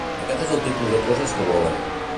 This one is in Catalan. Aquest és el tipus de coses que volen.